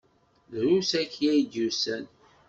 Drus akya i d-yusan.